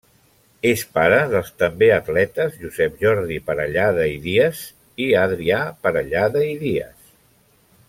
És pare dels també atletes Josep Jordi Parellada i Díaz i Adrià Parellada i Díaz.